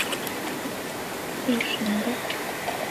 石码杨氏大夫第的历史年代为清。